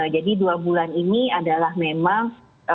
dua bulan ini adalah memang